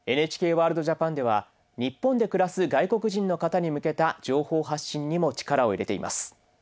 ＮＨＫＷＯＲＬＤＪＡＰＡＮでは日本で暮らす外国人の方に向けた情報発信にも力を入れています。